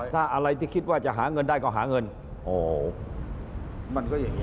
ถ้าอะไรที่คิดว่าจะหาเงินได้ก็หาเงินโอ้มันก็อย่างนี้